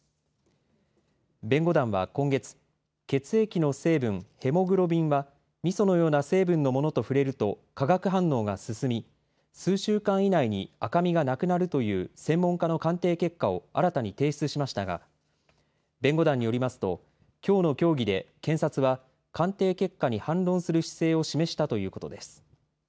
弁護団は今月、血液の成分、ヘモグロビンは、みそのような成分のものと触れると、化学反応が進み、数週間以内に赤みがなくなるという、専門家の鑑定結果を新たに提出しましたが、弁護団によりますと、きょうの協議で検察は、鑑定結果に反論する姿勢を示したということです。